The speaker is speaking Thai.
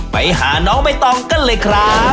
ไปหาน้องใบตองกันเลยครับ